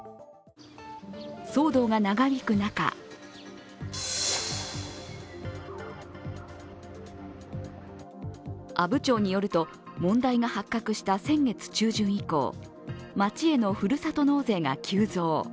騒動が長引く中阿武町によると、問題が発覚した先月中旬以降町へのふるさと納税が急増。